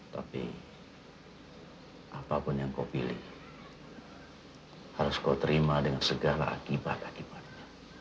tapi apapun yang kau pilih harus kau terima dengan segala akibat akibatnya